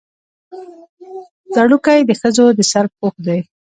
ځړوکی د ښځو د سر پوښ دی